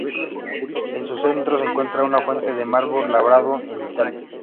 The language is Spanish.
En su centro se encuentra una fuente de mármol labrado en Italia.